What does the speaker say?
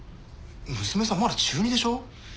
娘さんまだ中２でしょ？